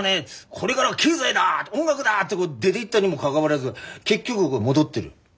これがらは経済だ音楽だって出ていったにもかかわらず結局戻ってる。